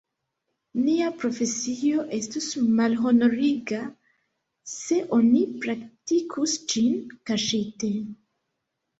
Nia profesio estus malhonoriga, se oni praktikus ĝin kaŝite.